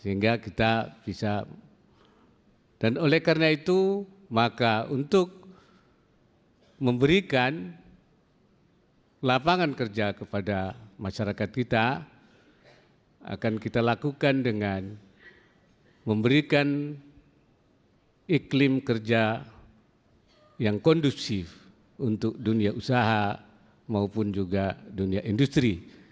sehingga kita bisa dan oleh karena itu maka untuk memberikan lapangan kerja kepada masyarakat kita akan kita lakukan dengan memberikan iklim kerja yang kondusif untuk dunia usaha maupun juga dunia industri